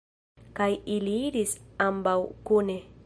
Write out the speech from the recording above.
Kaj ili iris ambaŭ kune.